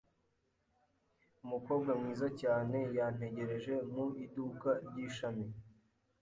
Umukobwa mwiza cyane yantegereje mu iduka ry’ishami.